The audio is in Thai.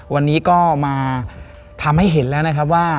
วันนี้ก็มาทำให้เห็นแล้วนะครับว่า